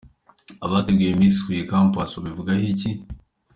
Abateguye Miss Huye Campus babivugaho iki?.